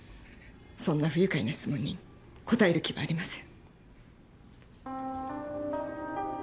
そんな不愉快な質問に答える気はありません。